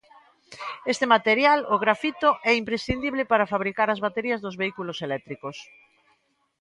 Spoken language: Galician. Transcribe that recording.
Este material, o grafito, é imprescindible para fabricar as baterías dos vehículos eléctricos.